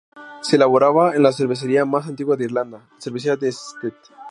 Se elaboraba en la cervecería más antigua de Irlanda, la cervecería de St.